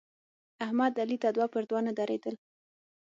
احمد علي ته دوه پر دوه نه درېدل.